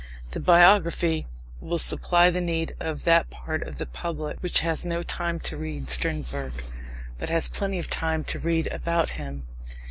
The biography will supply the need of that part of the public which has no time to read Strindberg, but has plenty of time to read about him.